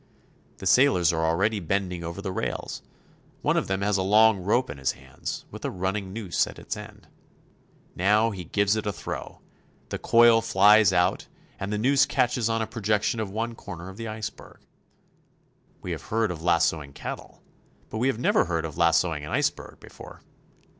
The sailors are already bending over the rails. One of them has a long rope in his hands, with a running noose at its end. Now he gives it a throw. The coil flies out, and the noose catches on a projection of one corner of the iceberg. We have heard of lassoing cat tle, but we have never heard of lassoing an iceberg before.